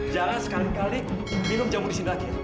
jangan sekali kali minum jamu disini lagi